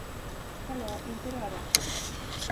Hallå, inte röra.